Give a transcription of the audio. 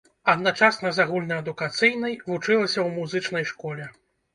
Адначасна з агульнаадукацыйнай, вучылася ў музычнай школе.